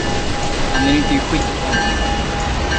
Han är inte i skick ännu.